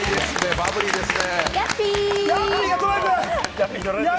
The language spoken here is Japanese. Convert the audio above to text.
バブリーですね。